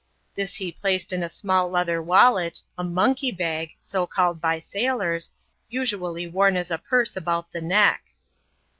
This he placed in a small Ipather wallet — a " monkey bag " (so called by sailors) •— usually worn as a purse about the neck.